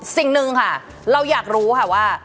สิ่งหนึ่งค่ะเราอยากรู้ค่ะว่า